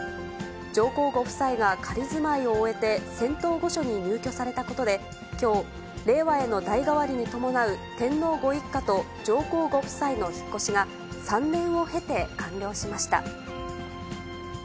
上皇ご夫妻が仮住まいを終えて、仙洞御所に入居されたことで、きょう、令和への代替わりに伴う天皇ご一家と上皇ご夫妻の引っ越しが、３年を経て完了しました。